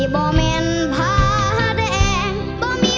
ส้มันดี